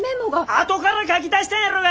あとから書き足したんやろが！